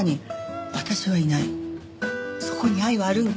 そこに愛はあるんか？